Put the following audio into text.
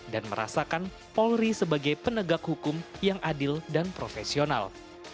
dan merasakan polri sebagai penegak hukum yang adil dan profesional